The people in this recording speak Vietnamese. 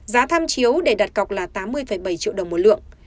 giá tham chiếu để đặt cọc là tám mươi bảy triệu đồng một lượng